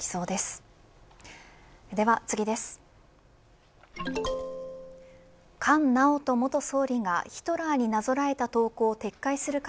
では次です。